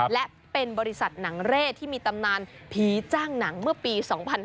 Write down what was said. และเป็นบริษัทหนังเร่ที่มีตำนานผีจ้างหนังเมื่อปี๒๕๕๙